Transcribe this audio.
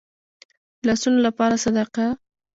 د لاسونو لپاره صدقه.